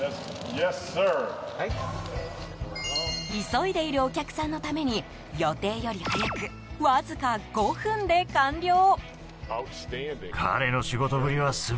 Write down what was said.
急いでいるお客さんのために予定より早くわずか５分で完了。